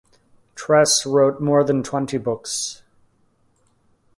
Trese wrote more than twenty books.